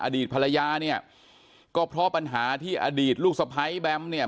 อดีตภรรยาเนี่ยก็เพราะปัญหาที่อดีตลูกสะพ้ายแบมเนี่ย